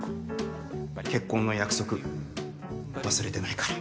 結婚の約束、忘れてないから。